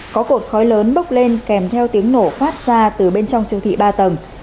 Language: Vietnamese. có cột khói lớn bốc lên kèm theo tiếng nổ phát ra từ bên trong siêu thị ba tầng